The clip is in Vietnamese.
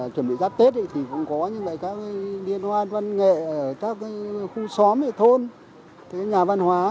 chuẩn bị giáp tết thì cũng có các điện hoạt văn nghệ các khu xóm thôn nhà văn hóa